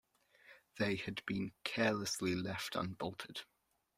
They had been carelessly left unbolted.